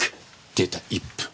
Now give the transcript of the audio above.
出た１分。